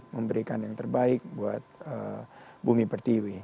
memberikan yang terbaik buat bumi pertiwi